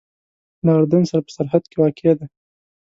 له اردن سره په سرحد کې واقع ده.